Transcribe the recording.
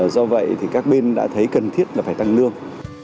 do vậy thì các bên đã thấy cần thiết là phải tăng lương